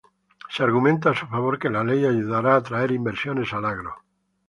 Se argumenta a su favor que la ley ayudará a atraer inversiones al agro.